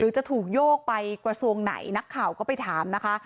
จะถูกโยกไปกระทรวงไหนนักข่าวก็ไปถามนะคะ